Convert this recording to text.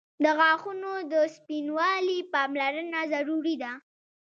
• د غاښونو د سپینوالي پاملرنه ضروري ده.